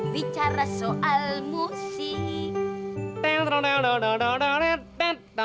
bicara soal musik